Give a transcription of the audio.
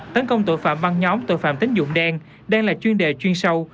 tấn công tội phạm băng nhóm tội phạm tính dụng đen đang là chuyên đề chuyên sâu